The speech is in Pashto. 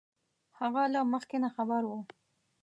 هغه له مخکې نه خبر وو